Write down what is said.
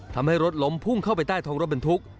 ทำให้รถล้มพุ่งเข้าไปใต้ท้องรถบรรทุก